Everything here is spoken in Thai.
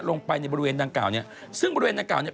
ลงไปในบริเวณดังกล่าวนี้